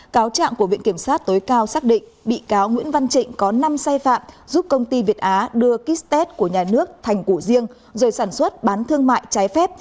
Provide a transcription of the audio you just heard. cáo trạng của viện kiểm sát tối cao xác định bị cáo nguyễn văn trịnh có năm sai phạm giúp công ty việt á đưa kích tết của nhà nước thành củ riêng rồi sản xuất bán thương mại trái phép